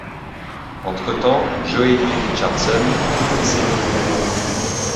Entre-temps, Joely Richardson quitte la série.